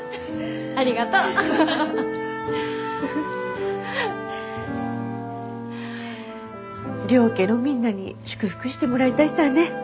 ありがとう！両家のみんなに祝福してもらいたいさぁね。